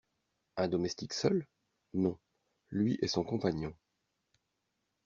Un domestique seul ? Non ; lui et son compagnon.